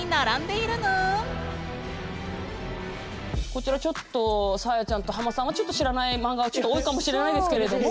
こちらちょっとサーヤちゃんとハマさんは知らないマンガが多いかもしれないですけれども。